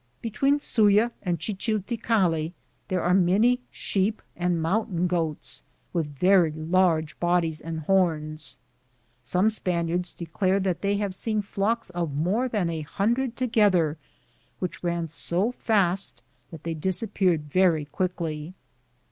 Be tween Suva and Chichilticalli there are many sheep and mountain goats with very large bodies and horns. Some Spaniards declare that they have seen flocks of more than a hundred together, which ran so fast that they disappeared very quickly.